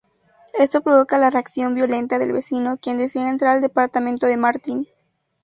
Esto provoca la reacción violenta del vecino, quien decide entrar al departamento de Martin.